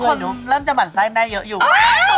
มันกำลังจำบรรไหร้แม่เยอะอยู่